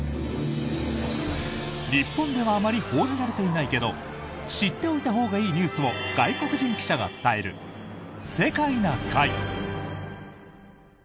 日本ではあまり報じられていないけど知っておいたほうがいいニュースを外国人記者が伝える「世界な会」。